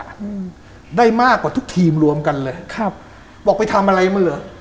อืมได้มากกว่าทุกทีมรวมกันเลยครับบอกไปทำอะไรมันเหรอ